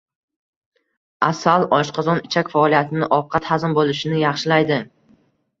Asal oshqozon-ichak faoliyatini, ovqat hazm bo‘lishini yaxshilaydi.